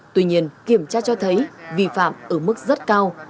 tuy nhiên kiểm tra cho thấy vi phạm ở mức rất cao